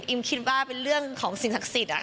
คิดว่าเป็นเรื่องของสิ่งศักดิ์สิทธิ์